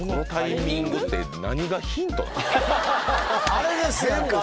あれですやんか。